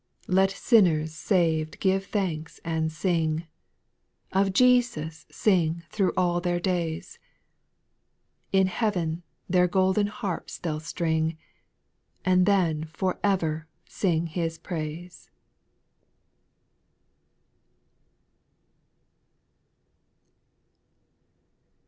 4. Let sinners say^d give thanks and sing, Of Jesus sing through all their days ; In heav'n their golden harps they *11 string, And then for ever sing His praise.